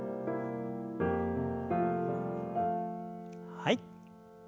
はい。